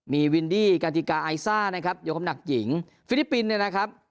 มีวินดี้กาติกาไอซ่านะครับยกคำหนักหญิงฟิลิปปินส์เนี่ยนะครับ